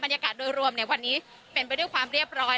บรรยากาศโดยรวมเนี่ยวันนี้เป็นไปด้วยความเรียบร้อย